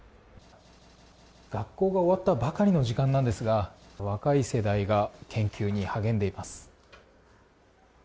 学校が終わったばかりの時間なんですが若い世代が研究に励んでいます。